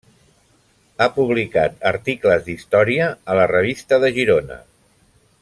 Ha publicat articles d'història a la Revista de Girona.